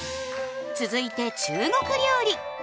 続いて中国料理。